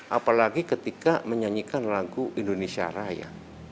apalagi ketika menyanyikan lagu indonesia raya